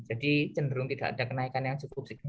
jadi cenderung tidak ada kenaikan yang cukup